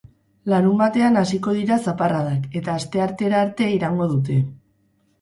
Larunbatean hasiko dira zaparradak, eta asteartera arte iraungo dute.